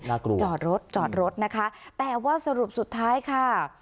จอดรถจอดรถนะคะแต่ว่าสรุปสุดท้ายค่ะ